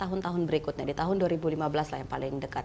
tahun tahun berikutnya di tahun dua ribu lima belas lah yang paling dekat